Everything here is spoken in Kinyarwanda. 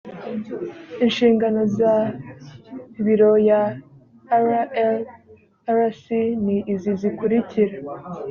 inshingano za biro ya rlrc ni izi zikurikira